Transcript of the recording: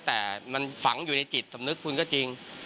แต่มันฝังอยู่ในจิตสำนึกคุณก็จริง